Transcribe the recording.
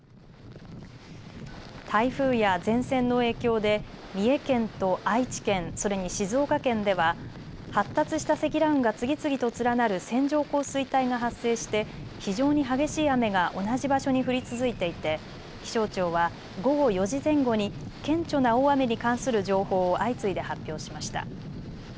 台風や前線の影響で三重県と愛知県それに静岡県では発達した積乱雲が次々と連なる線状降水帯が発生して非常に激しい雨が同じ場所に降り続いていて気象庁は午後４時前後に顕著な大雨に関する情報を相次いで発表しました。